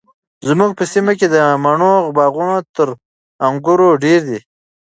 زموږ په سیمه کې د مڼو باغونه تر انګورو ډیر دي.